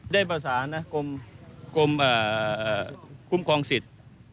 ได้ประสานนะกรมคุ้มครองสิทธิ์